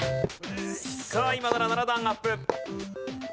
さあ今なら７段アップ。